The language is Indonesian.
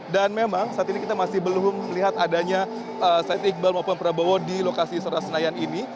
dan memang saat ini kita masih belum melihat adanya syed iqbal maupun prabowo di lokasi istora senayan ini